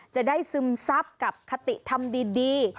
จะได้ซึมซับกับคติธรรมดี